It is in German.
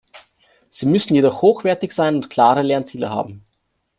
Sie müssen jedoch hochwertig sein und klare Lernziele haben.